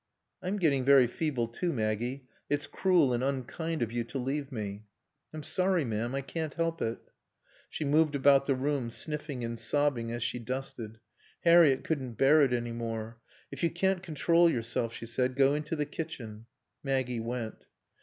"I'm getting very feeble, too, Maggie. It's cruel and unkind of you to leave me." "I'm sorry, ma'am. I can't help it." She moved about the room, sniffing and sobbing as she dusted. Harriett couldn't bear it any more. "If you can't control yourself," she said, "go into the kitchen." Maggie went.